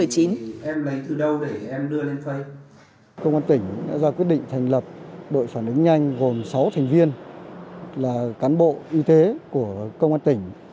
công an tỉnh đã ra quyết định thành lập đội phản ứng nhanh gồm sáu thành viên là cán bộ y tế của công an tỉnh